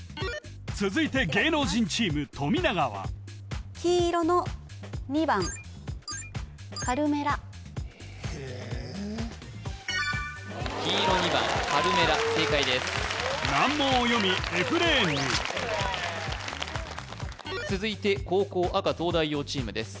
続いて芸能人チーム富永は黄色２番カルメラ正解です難問を読みＦレーンに続いて後攻赤東大王チームです